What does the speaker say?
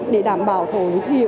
để đảm bảo thổi thiệu